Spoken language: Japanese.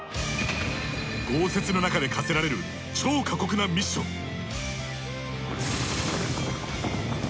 豪雪の中で課せられる超過酷なミッション。